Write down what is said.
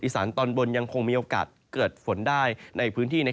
สานตอนบนยังคงมีโอกาสเกิดฝนได้ในพื้นที่